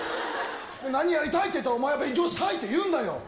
何やりたいって言ったら、お前は勉強したいって言うんだよ。